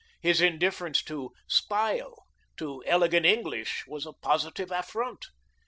His indifference to "style," to elegant English, was a positive affront.